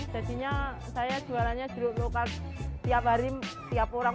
jadinya saya jualannya jeruk lokal tiap hari tiap orang